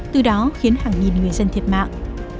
từ đó khiến hàng nghìn người dân thiệt mạng